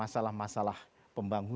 salahmu telah berlalu